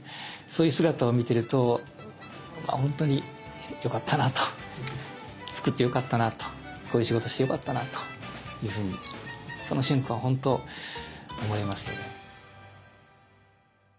そういう姿を見ていると本当によかったなと作ってよかったなとこういう仕事をしてよかったなというふうにその瞬間は本当思いますよね。